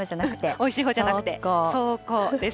おいしいほうじゃなくて、霜降です。